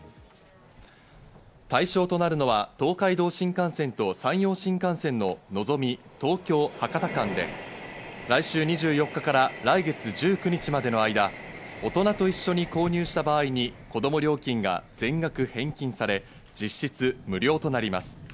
対象となるのは東海道新幹線と山陽新幹線ののぞみ、東京―博多間で来週２４日から来月１９日までの間、大人と一緒に購入した場合にこども料金が全額返金され、実質無料となります。